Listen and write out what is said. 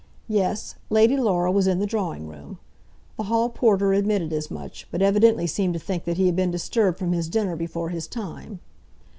Yes, Lady Laura was in the drawing room. The hall porter admitted as much, but evidently seemed to think that he had been disturbed from his dinner before his time.